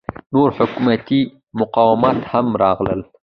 نور حکومتي مقامات هم راغلل.